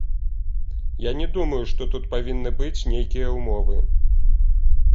Я не думаю, што тут павінны быць нейкія ўмовы.